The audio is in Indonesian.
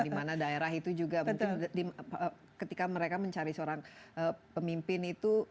dimana daerah itu juga ketika mereka mencari seorang pemimpin itu